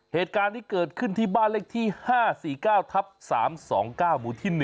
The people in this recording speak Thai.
เหตุการณ์นี้เกิดขึ้นที่บ้านเลขที่๕๔๙ทับ๓๒๙หมู่ที่๑